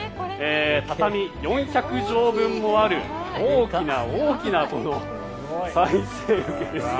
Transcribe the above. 畳４００畳分もある大きな大きなおさい銭受けですが。